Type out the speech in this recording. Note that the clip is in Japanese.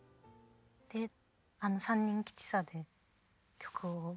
であの「三人吉三」で曲を。